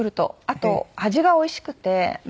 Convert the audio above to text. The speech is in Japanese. あと味がおいしくて。